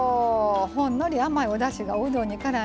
ほんのり甘いおだしがおうどんにからんでね